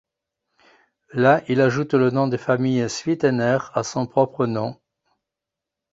Là, il ajoute le nom de famille'Sweetener' à son propre nom.